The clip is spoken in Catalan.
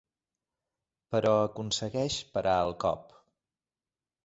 Però aconsegueix parar el cop.